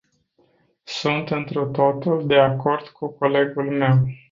Sunt întru totul de acord cu colegul meu.